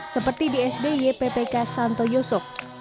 seperti di sd yppk santo yusuf